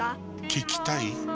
聞きたい？